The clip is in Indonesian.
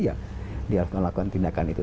ya diharus melakukan tindakan itu